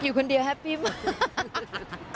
อยู่คนเดียวแฮปปี้มาก